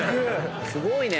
すごいね。